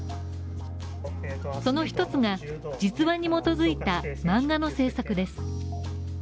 その一つが実話に基づいた漫画の制作です。